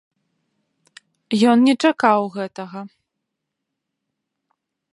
Ён не чакаў гэтага.